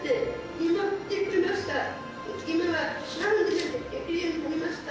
今では、なんでもできるようになりました。